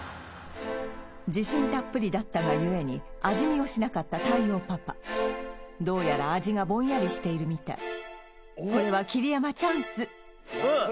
自信たっぷりだったが故に味見をしなかった太陽パパどうやら味がぼんやりしているみたいこれは桐山チャンス